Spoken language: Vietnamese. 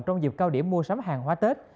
trong dịp cao điểm mua sắm hàng hóa tết